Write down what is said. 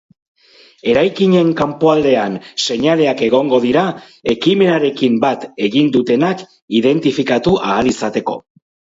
Eraikinen kanpoaldean seinaleak egongo dira, ekimenarekin bat egin dutenak identifikatu ahal izateko.